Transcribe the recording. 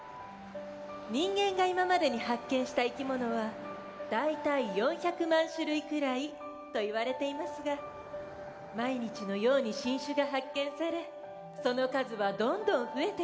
人間が今までに発見したいきものは大体４００万種類くらいといわれていますが毎日のように新種が発見されその数はどんどん増えています。